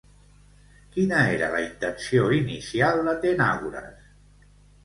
Quina era la intenció inicial d'Atenàgores?